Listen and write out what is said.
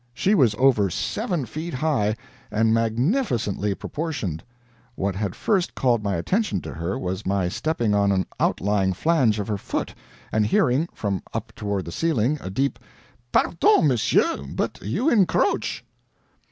She was over seven feet high, and magnificently proportioned. What had first called my attention to her, was my stepping on an outlying flange of her foot, and hearing, from up toward the ceiling, a deep "Pardon, m'sieu, but you encroach!"